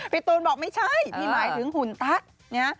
พี่ตูนบอกว่าไม่ใช่ที่หมายถึงหุ่นตั๊ก